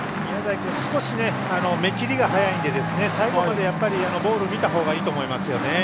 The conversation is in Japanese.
君少し目きりが早いので最後までボールを見たほうがいいと思います。